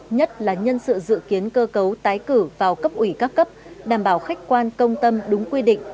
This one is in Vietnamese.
nhất là nhân sự dự kiến cơ cấu tái cử vào cấp ủy các cấp đảm bảo khách quan công tâm đúng quy định